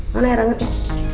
mana air angetnya